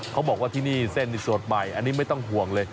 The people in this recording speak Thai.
เขาบอกว่าที่นี่เส้นสดใหม่อันนี้ไม่ต้องห่วงเลย